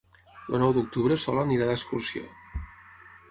El nou d'octubre en Sol anirà d'excursió.